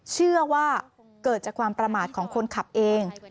เชื่อว่าเกิดจากความประมาทของคนขับเอง